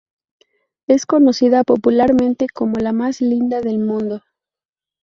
Es conocida popularmente como "La más linda del mundo".